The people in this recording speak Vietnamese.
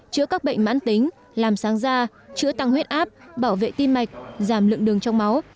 chữa các bệnh mãn tính làm sáng da chữa tăng huyết áp bảo vệ tim mạch giảm lượng đường trong máu